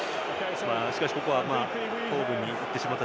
しかしここは頭部に行ってしまって。